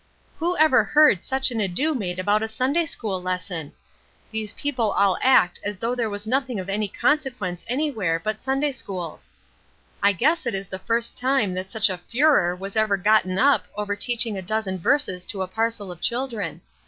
"Who ever heard such an ado made about a Sunday school lesson? These people all act as though there was nothing of any consequence anywhere but Sunday schools. I guess it is the first time that such a furor was ever gotten up over teaching a dozen verses to a parcel of children.